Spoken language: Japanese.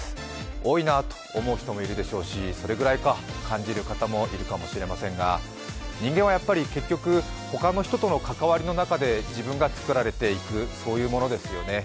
多いなあと思う人もいるでしょうし、それぐらいかと感じる方もいるかもしれませんが人間はやっぱり結局ほかの人との関わりの中で自分が作られていく、そういうものですよね。